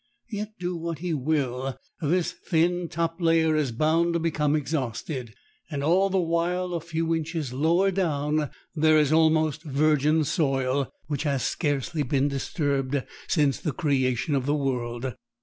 Yet, do what he will, this thin top layer is bound to become exhausted. And all the while a few inches lower down there is almost virgin soil which has scarcely been disturbed since the creation of the world.